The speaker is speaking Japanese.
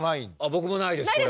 僕もないですそれは。